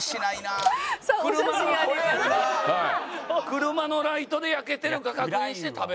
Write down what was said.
車のライトで焼けてるか確認して食べる。